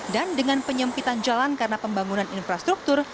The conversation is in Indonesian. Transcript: dan dengan penyempitan jalan karena pembangunan infrastruktur